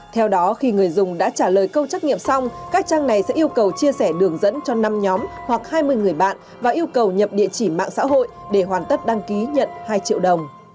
theo đó khi người dùng đã trả lời câu trách nghiệm xong các trang này sẽ yêu cầu chia sẻ đường dẫn cho năm nhóm hoặc hai mươi người bạn và yêu cầu nhập địa chỉ mạng xã hội để hoàn tất đăng ký nhận hai triệu đồng